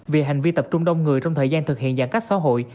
vì hành vi tập trung đông người trong thời gian thực hiện giãn cách xã hội